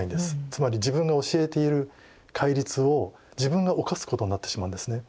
つまり自分が教えている戒律を自分が犯すことになってしまうんですね。